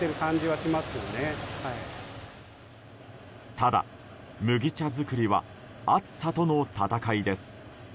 ただ、麦茶作りは暑さとの闘いです。